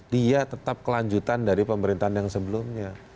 dia tetap kelanjutan dari pemerintahan yang sebelumnya